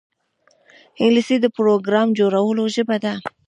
انګلیسي د پروګرام جوړولو ژبه ده